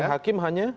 yang hakim hanya